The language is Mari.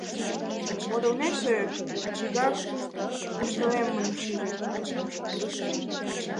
Подылмекше, вигак куштылеммым шиже.